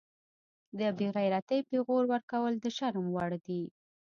د بیغیرتۍ پیغور ورکول د شرم وړ دي